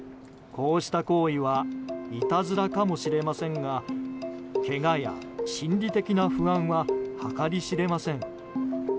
こうした行為はいたずらかもしれませんがけがや心理的な不安は計り知れません。